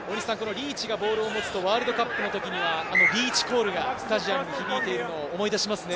リーチがボールを持つとワールドカップの時にはリーチコールがスタジアムに響いているのを思い出しますね。